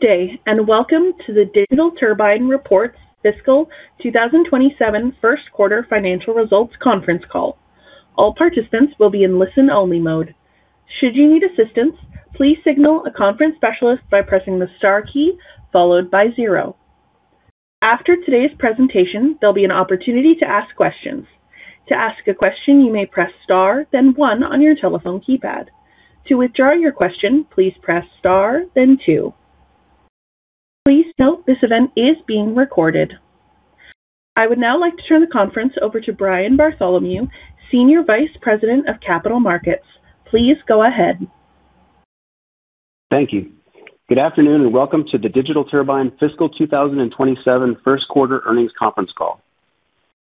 Good day. Welcome to Digital Turbine's fiscal 2027 first quarter financial results conference call. All participants will be in listen-only mode. Should you need assistance, please signal a conference specialist by pressing the star key followed by zero. After today's presentation, there'll be an opportunity to ask questions. To ask a question, you may press star, then one on your telephone keypad. To withdraw your question, please press star, then two. Please note this event is being recorded. I would now like to turn the conference over to Brian Bartholomew, Senior Vice President of Capital Markets. Please go ahead. Thank you. Good afternoon. Welcome to the Digital Turbine fiscal 2027 first quarter earnings conference call.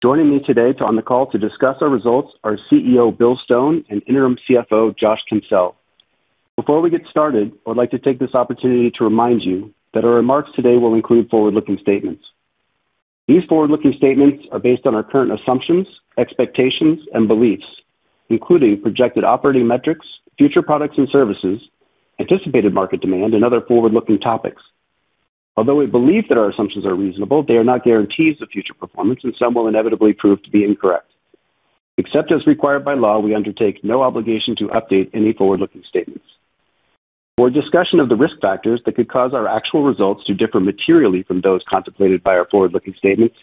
Joining me today on the call to discuss our results are CEO Bill Stone and Interim CFO Josh Kinsell. Before we get started, I would like to take this opportunity to remind you that our remarks today will include Forward-Looking statements. These Forward-Looking statements are based on our current assumptions, expectations, and beliefs, including projected operating metrics, future products and services, anticipated market demand and other Forward-Looking topics. Although we believe that our assumptions are reasonable, they are not guarantees of future performance, and some will inevitably prove to be incorrect. Except as required by law, we undertake no obligation to update any Forward-Looking statements. For a discussion of the risk factors that could cause our actual results to differ materially from those contemplated by our Forward-Looking statements,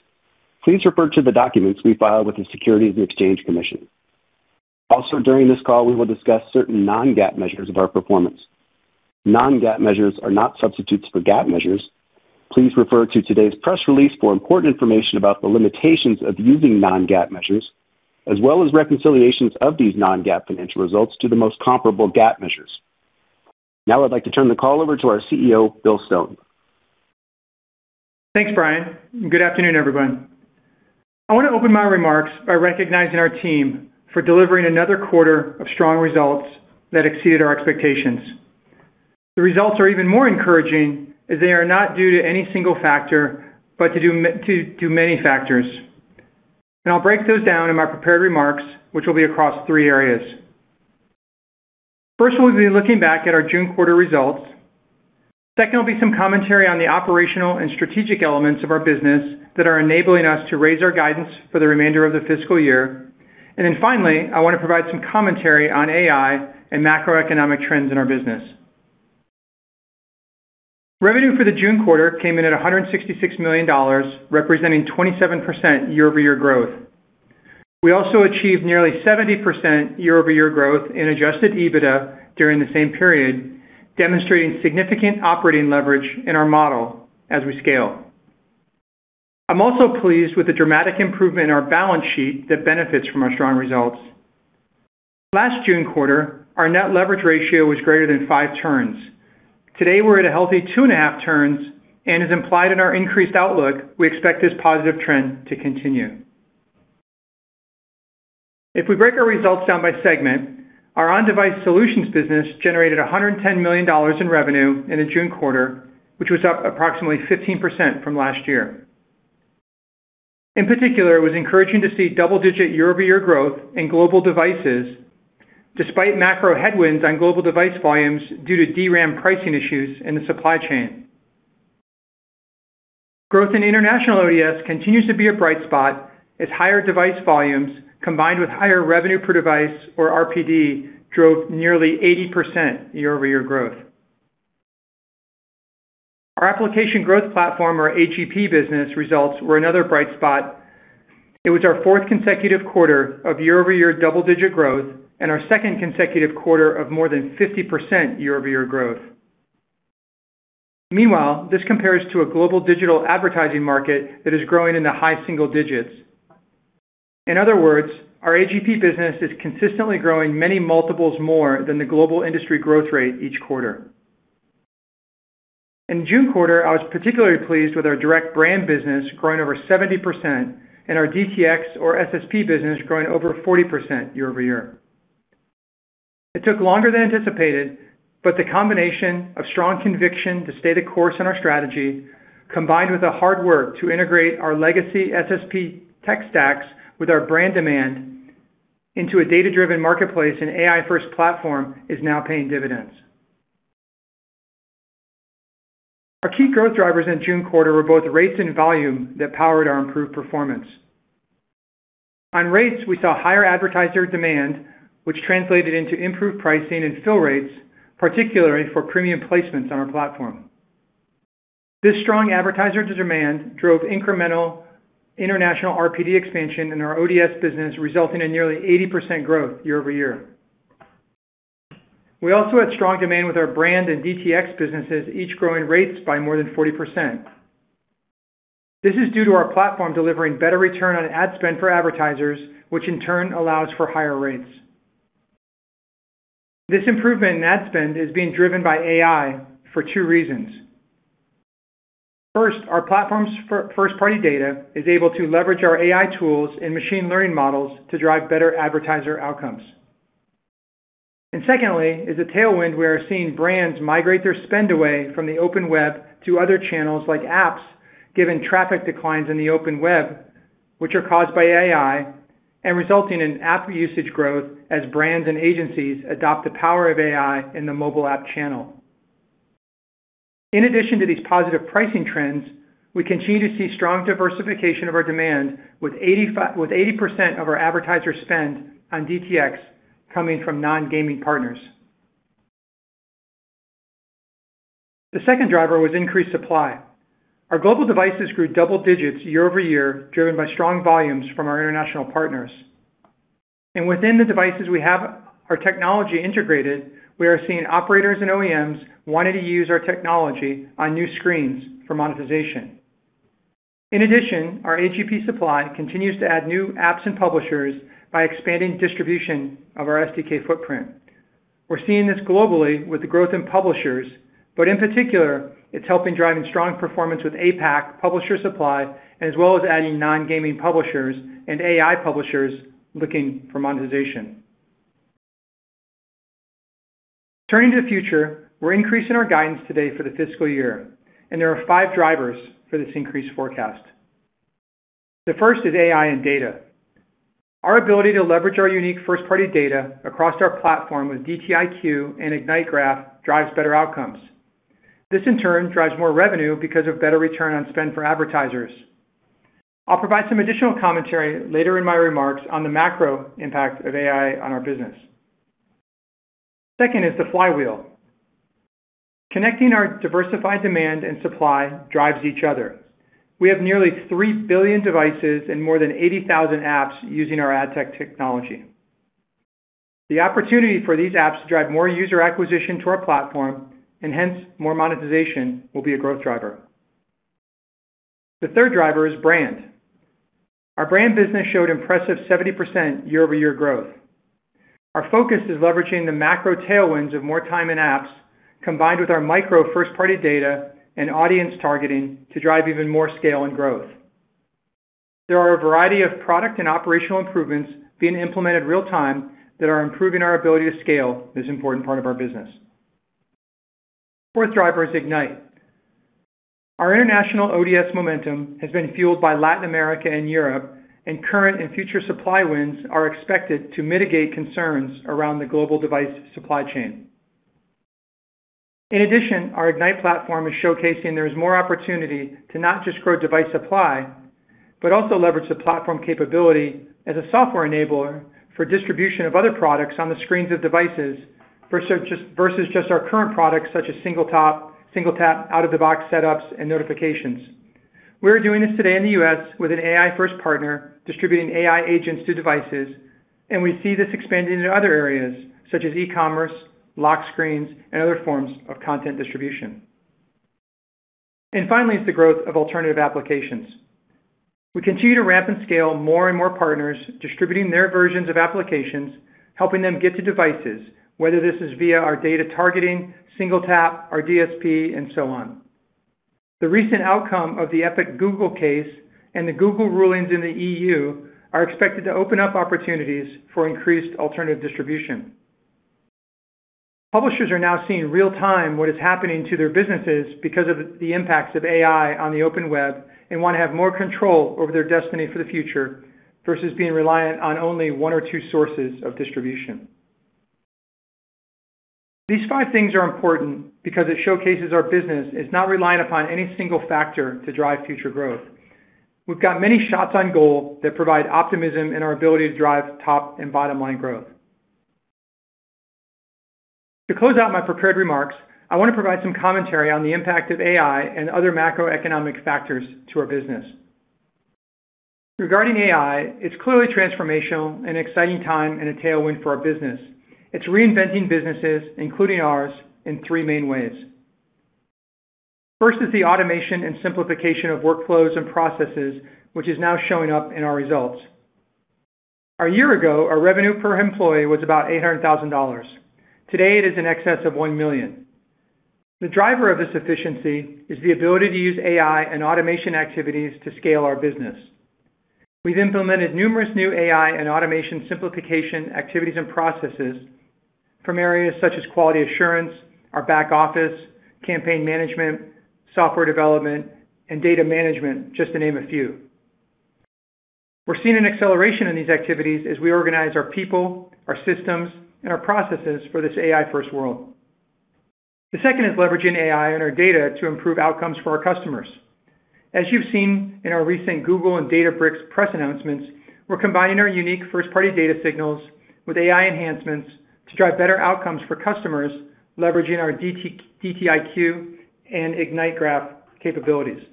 please refer to the documents we file with the Securities and Exchange Commission. During this call, we will discuss certain non-GAAP measures of our performance. Non-GAAP measures are not substitutes for GAAP measures. Please refer to today's press release for important information about the limitations of using non-GAAP measures, as well as reconciliations of these non-GAAP financial results to the most comparable GAAP measures. I'd like to turn the call over to our CEO, Bill Stone. Thanks, Brian. Good afternoon, everyone. I want to open my remarks by recognizing our team for delivering another quarter of strong results that exceeded our expectations. The results are even more encouraging as they are not due to any single factor, but to many factors. I'll break those down in my prepared remarks, which will be across three areas. First will be looking back at our June quarter results. Second will be some commentary on the operational and strategic elements of our business that are enabling us to raise our guidance for the remainder of the fiscal year. Finally, I want to provide some commentary on AI and macroeconomic trends in our business. Revenue for the June quarter came in at $166 million, representing 27% year-over-year growth. We also achieved nearly 70% year-over-year growth in adjusted EBITDA during the same period, demonstrating significant operating leverage in our model as we scale. I'm also pleased with the dramatic improvement in our balance sheet that benefits from our strong results. Last June quarter, our net leverage ratio was greater than five turns. Today, we're at a healthy 2.5 turns, and as implied in our increased outlook, we expect this positive trend to continue. If we break our results down by segment, our On Device Solutions business generated $110 million in revenue in the June quarter, which was up approximately 15% from last year. In particular, it was encouraging to see double-digit year-over-year growth in global devices despite macro headwinds on global device volumes due to DRAM pricing issues in the supply chain. Growth in international ODS continues to be a bright spot as higher device volumes combined with higher revenue per device or RPD drove nearly 80% year-over-year growth. Our App Growth Platform or AGP business results were another bright spot. It was our fourth consecutive quarter of year-over-year double-digit growth and our second consecutive quarter of more than 50% year-over-year growth. Meanwhile, this compares to a global digital advertising market that is growing in the high single digits. In other words, our AGP business is consistently growing many multiples more than the global industry growth rate each quarter. In the June quarter, I was particularly pleased with our direct brand business growing over 70% and our DTX or SSP business growing over 40% year-over-year. It took longer than anticipated. The combination of strong conviction to stay the course in our strategy, combined with the hard work to integrate our legacy SSP tech stacks with our brand demand into a data-driven marketplace and AI-first platform is now paying dividends. Our key growth drivers in June quarter were both rates and volume that powered our improved performance. On rates, we saw higher advertiser demand, which translated into improved pricing and fill rates, particularly for premium placements on our platform. This strong advertiser demand drove incremental international RPD expansion in our ODS business, resulting in nearly 80% growth year-over-year. We also had strong demand with our brand and DTX businesses, each growing rates by more than 40%. This is due to our platform delivering better return on ad spend for advertisers, which in turn allows for higher rates. This improvement in ad spend is being driven by AI for two reasons. First, our platform's first-party data is able to leverage our AI tools and machine learning models to drive better advertiser outcomes. Secondly is a tailwind we are seeing brands migrate their spend away from the open web to other channels like apps, given traffic declines in the open web which are caused by AI and resulting in app usage growth as brands and agencies adopt the power of AI in the mobile app channel. In addition to these positive pricing trends, we continue to see strong diversification of our demand with 80% of our advertiser spend on DTX coming from non-gaming partners. The second driver was increased supply. Our global devices grew double digits year-over-year, driven by strong volumes from our international partners. Within the devices we have our technology integrated, we are seeing operators and OEMs wanting to use our technology on new screens for monetization. In addition, our AGP supply continues to add new apps and publishers by expanding distribution of our SDK footprint. We're seeing this globally with the growth in publishers, but in particular, it's helping driving strong performance with APAC publisher supply, as well as adding non-gaming publishers and AI publishers looking for monetization. Turning to the future, we're increasing our guidance today for the fiscal year, and there are five drivers for this increased forecast. The first is AI and data. Our ability to leverage our unique first-party data across our platform with DTiQ and IgniteGraph drives better outcomes. This, in turn, drives more revenue because of better return on spend for advertisers. I'll provide some additional commentary later in my remarks on the macro impact of AI on our business. Second is the flywheel. Connecting our diversified demand and supply drives each other. We have nearly 3 billion devices and more than 80,000 apps using our ad tech technology. The opportunity for these apps to drive more user acquisition to our platform, and hence more monetization, will be a growth driver. The third driver is brand. Our brand business showed impressive 70% year-over-year growth. Our focus is leveraging the macro tailwinds of more time in apps, combined with our micro first-party data and audience targeting to drive even more scale and growth. There are a variety of product and operational improvements being implemented real time that are improving our ability to scale this important part of our business. Fourth driver is Ignite. Our international ODS momentum has been fueled by Latin America and Europe, current and future supply wins are expected to mitigate concerns around the global device supply chain. In addition, our Ignite platform is showcasing there is more opportunity to not just grow device supply, but also leverage the platform capability as a software enabler for distribution of other products on the screens of devices versus just our current products such as SingleTap, out-of-the-box setups, and notifications. We are doing this today in the U.S. with an AI-first partner distributing AI agents to devices, and we see this expanding into other areas such as e-commerce, lock screens, and other forms of content distribution. Finally, is the growth of alternative applications. We continue to ramp and scale more and more partners distributing their versions of applications, helping them get to devices, whether this is via our data targeting, SingleTap, our DSP, and so on. The recent outcome of the Epic Games Google case and the Google rulings in the EU are expected to open up opportunities for increased alternative distribution. Publishers are now seeing real time what is happening to their businesses because of the impacts of AI on the open web and want to have more control over their destiny for the future versus being reliant on only one or two sources of distribution. These five things are important because it showcases our business is not reliant upon any single factor to drive future growth. We've got many shots on goal that provide optimism in our ability to drive top and bottom-line growth. To close out my prepared remarks, I want to provide some commentary on the impact of AI and other macroeconomic factors to our business. Regarding AI, it's clearly transformational and an exciting time and a tailwind for our business. It's reinventing businesses, including ours, in three main ways. First is the automation and simplification of workflows and processes, which is now showing up in our results. A year ago, our revenue per employee was about $800,000. Today, it is in excess of $1 million. The driver of this efficiency is the ability to use AI and automation activities to scale our business. We've implemented numerous new AI and automation simplification activities and processes from areas such as quality assurance, our back office, campaign management, software development, and data management, just to name a few. We're seeing an acceleration in these activities as we organize our people, our systems, and our processes for this AI-first world. The second is leveraging AI and our data to improve outcomes for our customers. As you've seen in our recent Google and Databricks press announcements, we're combining our unique first-party data signals with AI enhancements to drive better outcomes for customers leveraging our DTiQ and IgniteGraph capabilities.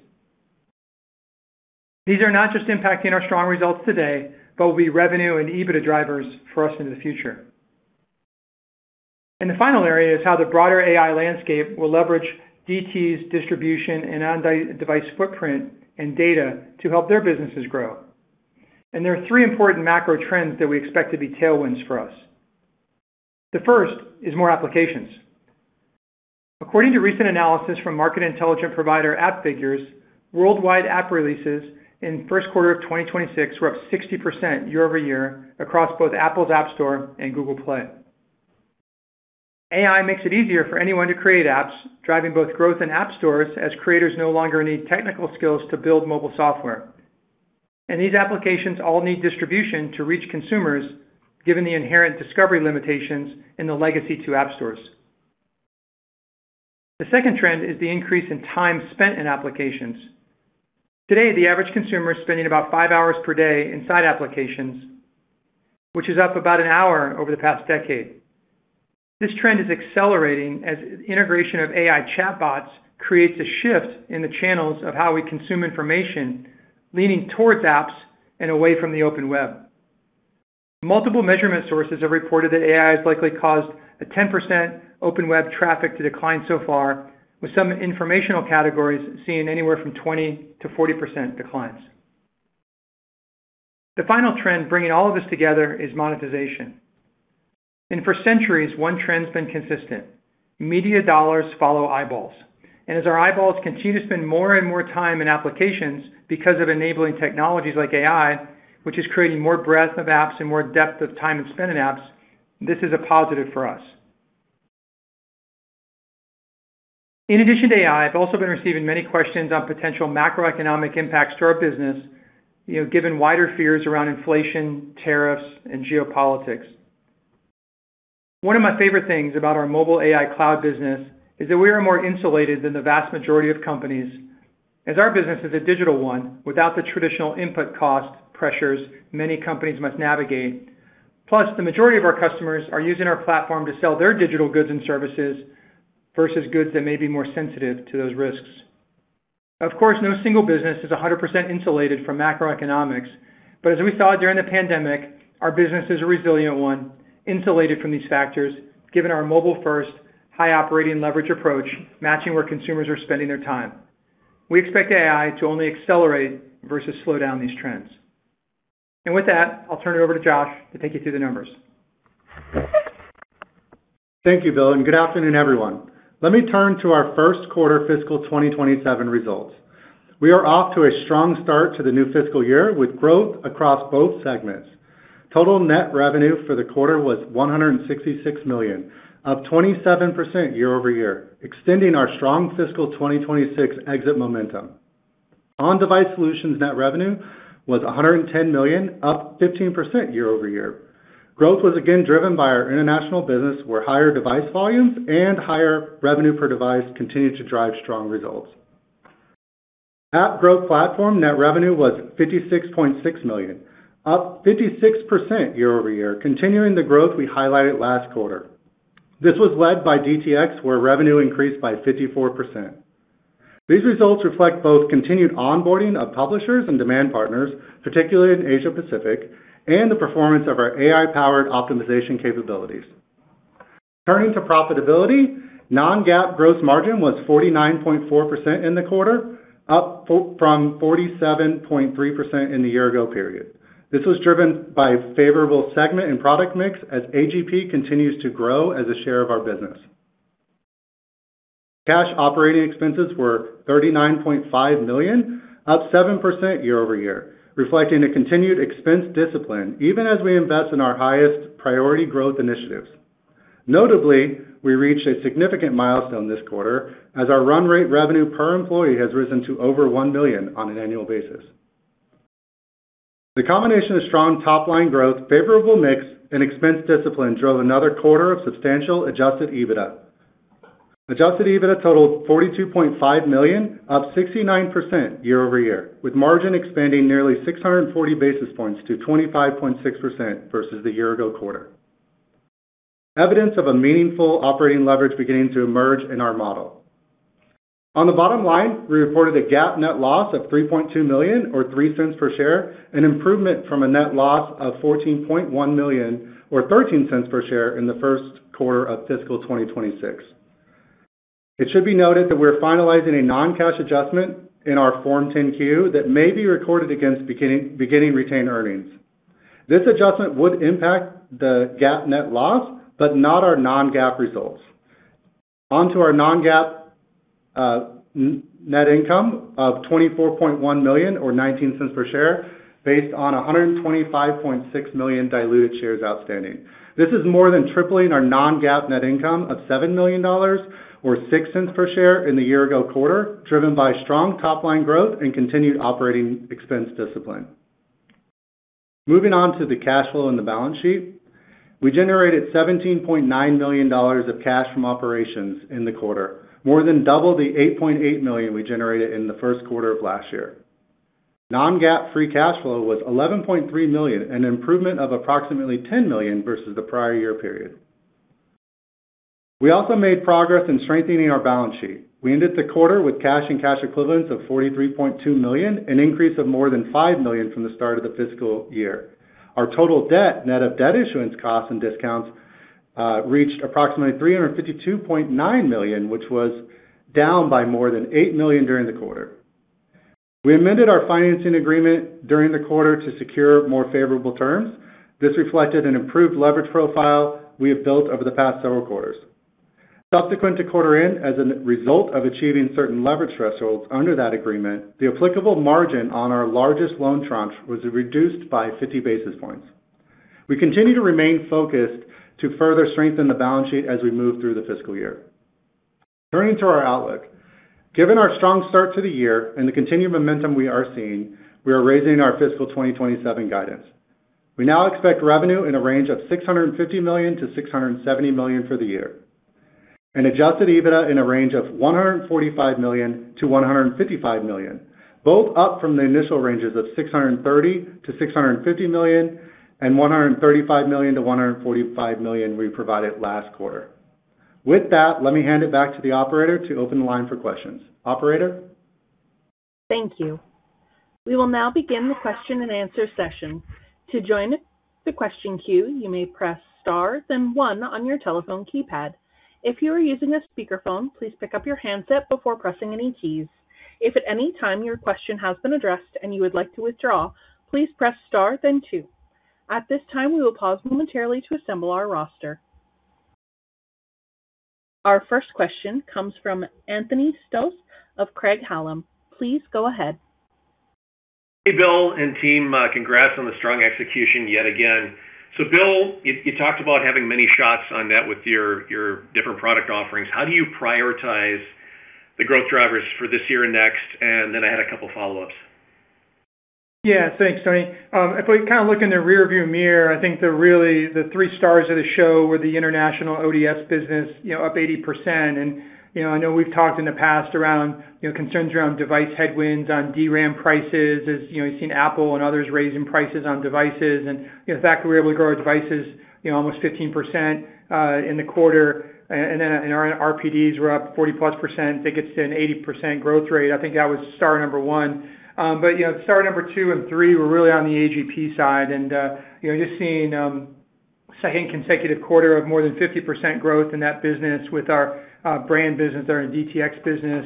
These are not just impacting our strong results today, but will be revenue and EBITDA drivers for us into the future. The final area is how the broader AI landscape will leverage DT's distribution and on-device footprint and data to help their businesses grow. There are three important macro trends that we expect to be tailwinds for us. The first is more applications. According to recent analysis from market intelligence provider AppFigures, worldwide app releases in first quarter of 2026 were up 60% year-over-year across both Apple's App Store and Google Play. AI makes it easier for anyone to create apps, driving both growth and app stores as creators no longer need technical skills to build mobile software. These applications all need distribution to reach consumers, given the inherent discovery limitations in the legacy to app stores. The second trend is the increase in time spent in applications. Today, the average consumer is spending about five hours per day inside applications, which is up about an hour over the past decade. This trend is accelerating as integration of AI chatbots creates a shift in the channels of how we consume information, leaning towards apps and away from the open web. Multiple measurement sources have reported that AI has likely caused a 10% open web traffic to decline so far, with some informational categories seeing anywhere from 20%-40% declines. The final trend bringing all of this together is monetization. For centuries, one trend's been consistent. Media dollars follow eyeballs. As our eyeballs continue to spend more and more time in applications because of enabling technologies like AI, which is creating more breadth of apps and more depth of time and spend in apps, this is a positive for us. In addition to AI, I've also been receiving many questions on potential macroeconomic impacts to our business, given wider fears around inflation, tariffs, and geopolitics. One of my favorite things about our mobile AI cloud business is that we are more insulated than the vast majority of companies, as our business is a digital one without the traditional input cost pressures many companies must navigate. Plus, the majority of our customers are using our platform to sell their digital goods and services versus goods that may be more sensitive to those risks. Of course, no single business is 100% insulated from macroeconomics. But as we saw during the pandemic, our business is a resilient one, insulated from these factors, given our mobile-first, high operating leverage approach, matching where consumers are spending their time. We expect AI to only accelerate versus slow down these trends. With that, I'll turn it over to Josh to take you through the numbers. Thank you, Bill, and good afternoon, everyone. Let me turn to our first quarter fiscal 2027 results. We are off to a strong start to the new fiscal year with growth across both segments. Total net revenue for the quarter was $166 million, up 27% year-over-year, extending our strong fiscal 2026 exit momentum. On Device Solutions net revenue was $110 million, up 15% year-over-year. Growth was again driven by our international business, where higher device volumes and higher revenue per device continued to drive strong results. App Growth Platform net revenue was $56.6 million, up 56% year-over-year, continuing the growth we highlighted last quarter. This was led by DTX, where revenue increased by 54%. These results reflect both continued onboarding of publishers and demand partners, particularly in Asia-Pacific, and the performance of our AI-powered optimization capabilities. Turning to profitability, non-GAAP gross margin was 49.4% in the quarter, up from 47.3% in the year ago period. This was driven by a favorable segment and product mix as AGP continues to grow as a share of our business. Cash operating expenses were $39.5 million, up 7% year-over-year, reflecting a continued expense discipline even as we invest in our highest priority growth initiatives. Notably, we reached a significant milestone this quarter as our run rate revenue per employee has risen to over $1 million on an annual basis. The combination of strong top-line growth, favorable mix, and expense discipline drove another quarter of substantial adjusted EBITDA. Adjusted EBITDA totaled $42.5 million, up 69% year-over-year, with margin expanding nearly 640 basis points to 25.6% versus the year ago quarter. Evidence of a meaningful operating leverage beginning to emerge in our model. On the bottom line, we reported a GAAP net loss of $3.2 million or $0.03 per share, an improvement from a net loss of $14.1 million or $0.13 per share in the first quarter of fiscal 2026. It should be noted that we're finalizing a non-cash adjustment in our Form 10-Q that may be recorded against beginning retained earnings. This adjustment would impact the GAAP net loss, but not our non-GAAP results. On to our non-GAAP net income of $24.1 million or $0.19 per share based on 125.6 million diluted shares outstanding. This is more than tripling our non-GAAP net income of $7 million or $0.06 per share in the year ago quarter, driven by strong top-line growth and continued operating expense discipline. Moving on to the cash flow and the balance sheet. We generated $17.9 million of cash from operations in the quarter, more than double the $8.8 million we generated in the first quarter of last year. Non-GAAP free cash flow was $11.3 million, an improvement of approximately $10 million versus the prior year period. We also made progress in strengthening our balance sheet. We ended the quarter with cash and cash equivalents of $43.2 million, an increase of more than $5 million from the start of the fiscal year. Our total debt, net of debt issuance costs and discounts, reached approximately $352.9 million, which was down by more than $8 million during the quarter. We amended our financing agreement during the quarter to secure more favorable terms. This reflected an improved leverage profile we have built over the past several quarters. Subsequent to quarter end, as a result of achieving certain leverage thresholds under that agreement, the applicable margin on our largest loan tranche was reduced by 50 basis points. We continue to remain focused to further strengthen the balance sheet as we move through the fiscal year. Turning to our outlook. Given our strong start to the year and the continued momentum we are seeing, we are raising our fiscal 2027 guidance. We now expect revenue in a range of $650 million-$670 million for the year, and adjusted EBITDA in a range of $145 million-$155 million, both up from the initial ranges of $630 million-$650 million and $135 million-$145 million we provided last quarter. Let me hand it back to the operator to open the line for questions. Operator? Thank you. We will now begin the question-and-answer session. To join the question queue, you may press star then one on your telephone keypad. If you are using a speakerphone, please pick up your handset before pressing any keys. If at any time your question has been addressed and you would like to withdraw, please press star then two. At this time, we will pause momentarily to assemble our roster. Our first question comes from Anthony Stoss of Craig-Hallum. Please go ahead. Hey, Bill and team. Congrats on the strong execution yet again. Bill, you talked about having many shots on net with your different product offerings. How do you prioritize the growth drivers for this year and next? I had a couple of follow-ups. Thanks, Tony. If we look in the rearview mirror, I think the three stars of the show were the international ODS business, up 80%. I know we've talked in the past around concerns around device headwinds on DRAM prices as you've seen Apple and others raising prices on devices. In fact, we were able to grow our devices almost 15% in the quarter. Our RPDs were up 40%+, tickets to an 80% growth rate. I think that was star number one. Star number two and three were really on the AGP side. Just seeing second consecutive quarter of more than 50% growth in that business with our brand business, our DTX business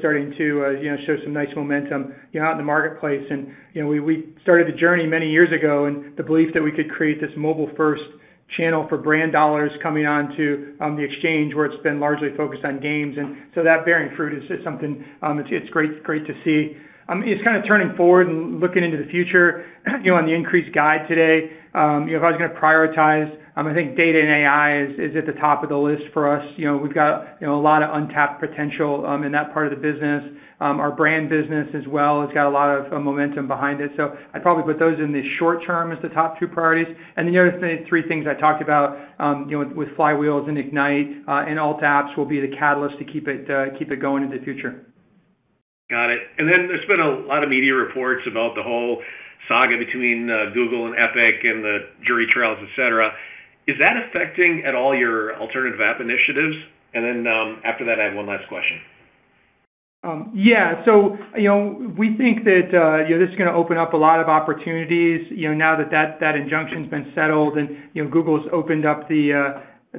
starting to show some nice momentum out in the marketplace. We started the journey many years ago in the belief that we could create this mobile-first channel for brand dollars coming onto the exchange, where it's been largely focused on games. That bearing fruit is something, it's great to see. It's turning forward and looking into the future, on the increased guide today. If I was going to prioritize, I think data and AI is at the top of the list for us. We've got a lot of untapped potential in that part of the business. Our brand business as well has got a lot of momentum behind it. I'd probably put those in the short term as the top two priorities. The other three things I talked about with Flywheels and Ignite and Alt Apps will be the catalyst to keep it going in the future. Got it. There's been a lot of media reports about the whole saga between Google and Epic and the jury trials, et cetera. Is that affecting at all your alternative app initiatives? After that, I have one last question. We think that this is going to open up a lot of opportunities, now that that injunction's been settled and Google's opened up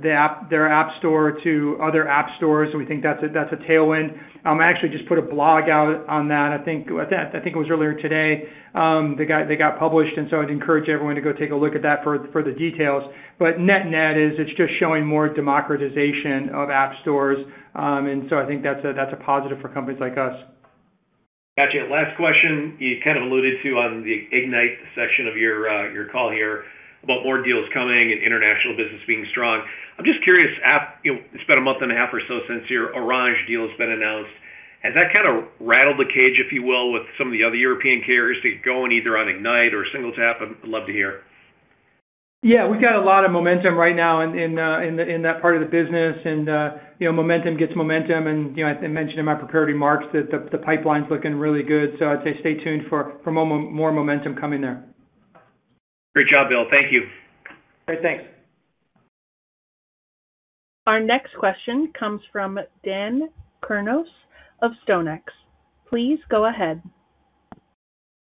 their App Store to other App Stores. We think that's a tailwind. I actually just put a blog out on that. I think it was earlier today they got published, and so I'd encourage everyone to go take a look at that for the details. Net-net is it's just showing more democratization of App Stores. I think that's a positive for companies like us. Got you. Last question. You kind of alluded to on the Ignite session of your call here about more deals coming and international business being strong. I'm just curious, it's been a month and a half or so since your Orange deal has been announced. Has that kind of rattled the cage, if you will, with some of the other European carriers to going either on Ignite or SingleTap? I'd love to hear. Yeah, we've got a lot of momentum right now in that part of the business. Momentum gets momentum, and I mentioned in my prepared remarks that the pipeline's looking really good. I'd say stay tuned for more momentum coming there. Great job, Bill. Thank you. Great. Thanks. Our next question comes from Dan Kurnos of StoneX. Please go ahead.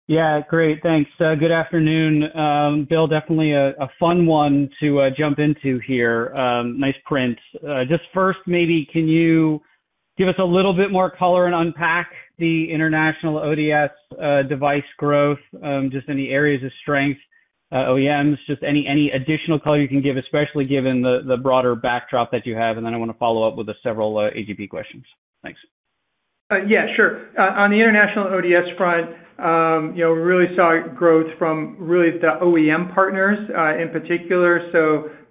Yeah, great. Thanks. Good afternoon. Bill, definitely a fun one to jump into here. Nice print. Just first, maybe can you give us a little bit more color and unpack the international ODS device growth? Just any areas of strength, OEMs, just any additional color you can give, especially given the broader backdrop that you have. I want to follow up with several AGP questions. Thanks. Yeah, sure. On the international ODS front, we really saw growth from really the OEM partners, in particular.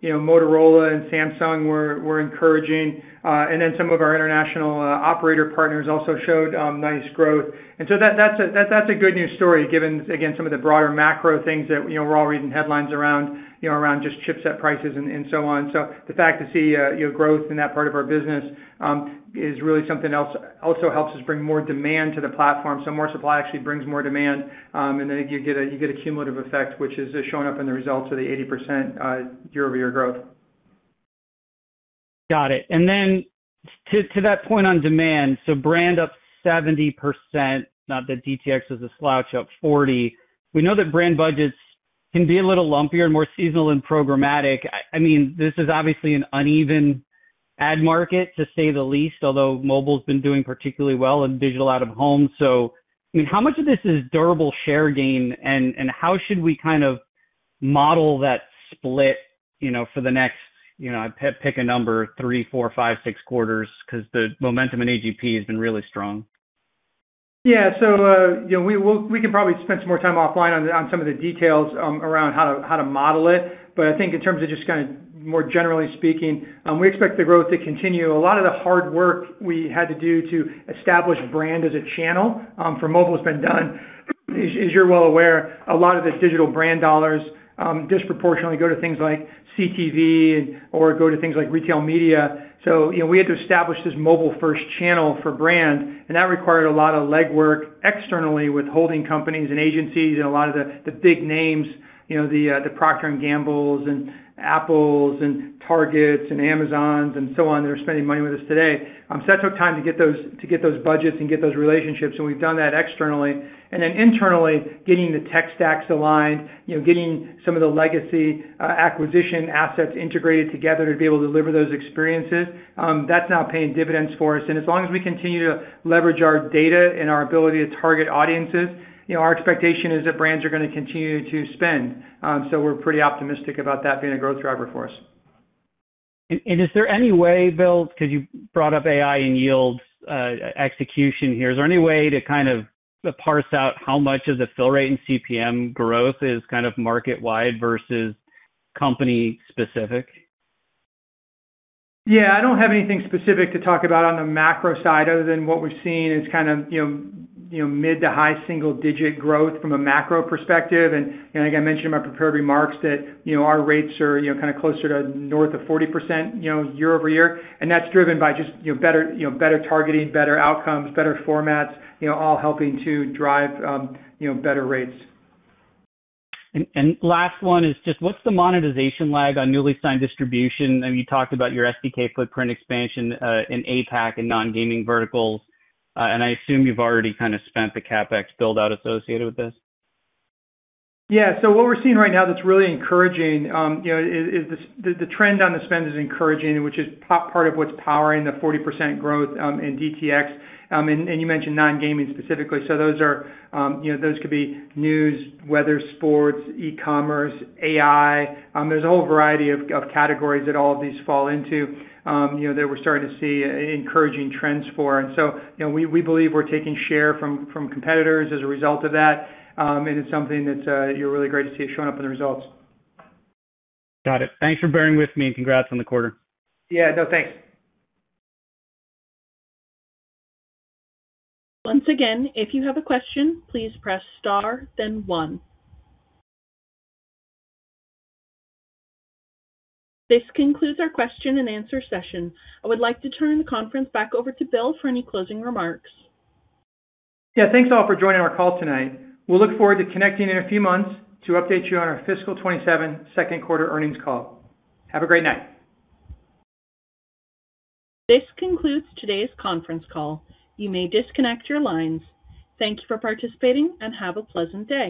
Motorola and Samsung were encouraging. Some of our international operator partners also showed nice growth. That's a good news story given, again, some of the broader macro things that we're all reading headlines around just chipset prices and so on. The fact to see growth in that part of our business is really something else, also helps us bring more demand to the platform. More supply actually brings more demand. You get a cumulative effect, which is showing up in the results of the 80% year-over-year growth. Got it. To that point on demand, brand up 70%, not that DTX is a slouch, up 40%. We know that brand budgets can be a little lumpier and more seasonal and programmatic. This is obviously an uneven ad market, to say the least, although mobile's been doing particularly well in digital out of home. How much of this is durable share gain, and how should we Model that split for the next, pick a number, three, four, five, six quarters, because the momentum in AGP has been really strong. We can probably spend some more time offline on some of the details around how to model it. I think in terms of just more generally speaking, we expect the growth to continue. A lot of the hard work we had to do to establish brand as a channel for mobile has been done. As you're well aware, a lot of the digital brand dollars disproportionately go to things like CTV or go to things like retail media. We had to establish this mobile first channel for brand, and that required a lot of legwork externally with holding companies and agencies and a lot of the big names, the Procter & Gamble and Apple and Target and Amazon and so on, that are spending money with us today. That took time to get those budgets and get those relationships, and we've done that externally. Internally, getting the tech stacks aligned, getting some of the legacy acquisition assets integrated together to be able to deliver those experiences. That's now paying dividends for us. As long as we continue to leverage our data and our ability to target audiences, our expectation is that brands are going to continue to spend. We're pretty optimistic about that being a growth driver for us. Is there any way, Bill, because you brought up AI and yield execution here, is there any way to parse out how much of the fill rate and CPM growth is kind of market-wide versus company specific? Yeah, I don't have anything specific to talk about on the macro side other than what we've seen is kind of mid to high single-digit growth from a macro perspective. Again, I mentioned in my prepared remarks that our rates are closer to north of 40% year-over-year, and that's driven by just better targeting, better outcomes, better formats, all helping to drive better rates. Last one is just what's the monetization lag on newly signed distribution? I mean, you talked about your SDK footprint expansion in APAC and non-gaming verticals. I assume you've already kind of spent the CapEx build-out associated with this. Yeah. What we're seeing right now that's really encouraging is the trend on the spend is encouraging, which is part of what's powering the 40% growth in DTX. You mentioned non-gaming specifically, so those could be news, weather, sports, e-commerce, AI. There's a whole variety of categories that all of these fall into that we're starting to see encouraging trends for. We believe we're taking share from competitors as a result of that. It's something that's really great to see it showing up in the results. Got it. Thanks for bearing with me and congrats on the quarter. Yeah. No, thanks. Once again, if you have a question, please press star then one. This concludes our question-and-answer session. I would like to turn the conference back over to Bill for any closing remarks. Yeah. Thanks all for joining our call tonight. We'll look forward to connecting in a few months to update you on our fiscal 2027 second quarter earnings call. Have a great night. This concludes today's conference call. You may disconnect your lines. Thank you for participating and have a pleasant day.